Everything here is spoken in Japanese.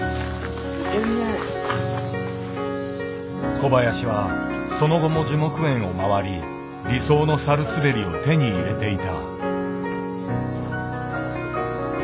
小林はその後も樹木園を回り理想のサルスベリを手に入れていた。